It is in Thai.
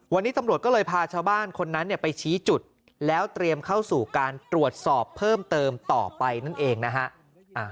วันนี้ตำรวจก็เลยพาชาวบ้านคนนั้นเนี่ยไปชี้จุดแล้วเตรียมเข้าสู่การตรวจสอบเพิ่มเติมต่อไปนั่นเองนะฮะ